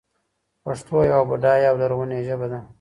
پښتو يوه بډايه او لرغونې ژبه ده.